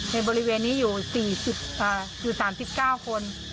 ในบริเวณนี้อยู่๓๙คน